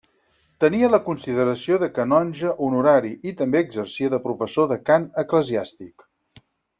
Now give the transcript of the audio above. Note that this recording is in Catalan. Tenia la consideració de canonge honorari, i també exercia de professor de cant eclesiàstic.